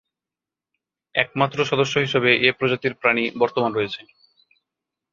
একমাত্র সদস্য হিসেবে এ প্রজাতির প্রাণী বর্তমান রয়েছে।